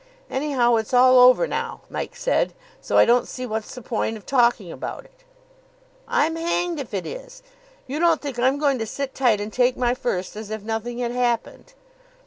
"Anyhow, it's all over now," Mike said, "so I don't see what's the point of talking about it." "I'm hanged if it is. You don't think I'm going to sit tight and take my first as if nothing had happened?"